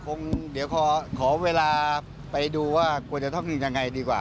คงเดี๋ยวขอเวลาไปดูว่าควรจะท่องยังไงดีกว่า